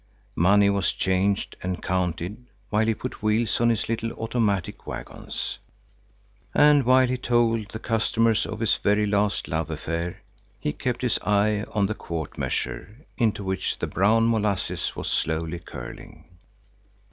Money was changed and counted while he put wheels on his little automatic wagons. And while he told the customers of his very last love affair, he kept his eye on the quart measure, into which the brown molasses was slowly curling.